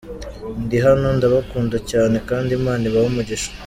Ndi hano, ndabakunda cyane kandi Imana ibahe umugisha.